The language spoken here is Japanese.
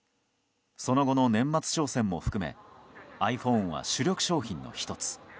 その後の年末商戦も含めｉＰｈｏｎｅは主力商品の１つ。